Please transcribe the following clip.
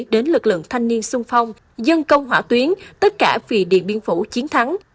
đến lực lượng thanh niên sung phong dân công hỏa tuyến tất cả vì điện biên phủ chiến thắng